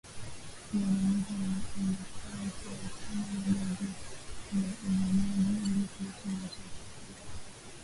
kuwahimiza Wamasai kuachana na jadi ya uhamaji ili kuishi maisha ya kisasa